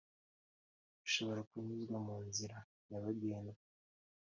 bishobora kunyuzwa mu nzira nyabagendwa